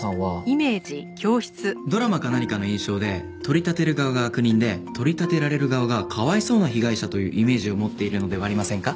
ドラマか何かの印象で取り立てる側が悪人で取り立てられる側がかわいそうな被害者というイメージを持っているのではありませんか？